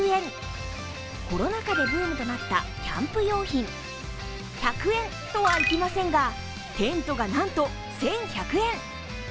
コロナ禍でブームとなったキャンプ用品、１００円とはいきませんが、テントがなんと１１００円。